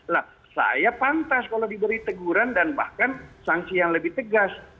lah saya pantas kalau diberi teguran dan bahkan sanksi yang lebih tegas